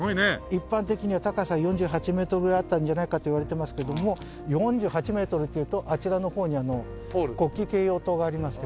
一般的には高さ４８メートルぐらいあったんじゃないかといわれてますけども４８メートルっていうとあちらの方に国旗掲揚塔がありますけども。